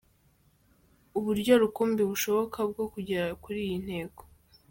Uburyo rukumbi bushoboka bwo kugera kuri iyi ntego